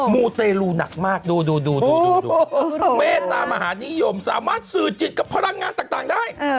มูเตลูหนักมากดูดูเมตตามหานิยมสามารถสื่อจิตกับพลังงานต่างได้